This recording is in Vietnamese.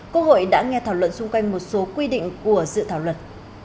quốc hội đã nghe thảo luận xung quanh một số quy định của sự thảo luận